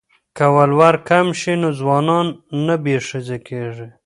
که ولور کم شي نو ځوانان نه بې ښځې کیږي.